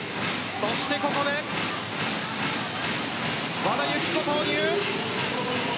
そして、ここで和田由紀子投入。